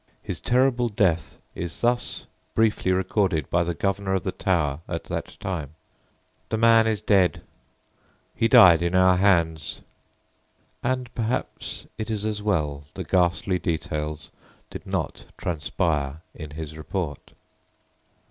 His terrible death is thus briefly recorded by the Governor of the Tower at that time: "The man is dead he died in our hands"; and perhaps it is as well the ghastly details did not transpire in his report.